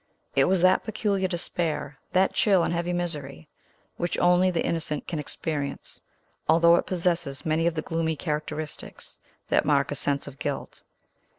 It was that peculiar despair, that chill and heavy misery, which only the innocent can experience, although it possesses many of the gloomy characteristics that mark a sense of guilt.